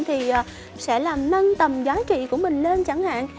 thì sẽ làm nâng tầm giá trị của mình lên chẳng hạn